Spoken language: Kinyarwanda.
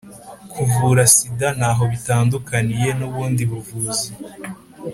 kuvurwa sida ntaho bitandukaniye n’ubundi buvuzi.